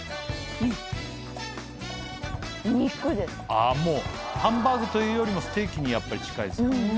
あもうハンバーグというよりステーキにやっぱり近いですか？